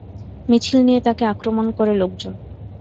মিছিল নিয়ে তাঁকে আক্রমণ করে লোকজন।